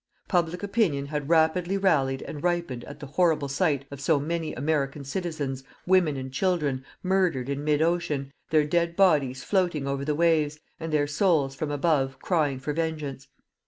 Public opinion had rapidly rallied and ripened at the horrible sight of so many American citizens, women and children, murdered in mid ocean, their dead bodies floating over the waves, and their souls from above crying for vengeance.